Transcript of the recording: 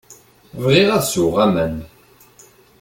Bɣiɣ ad sweɣ aman.